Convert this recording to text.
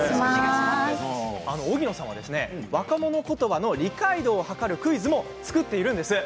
荻野さんは若者言葉の理解度を図るクイズも作っているんです。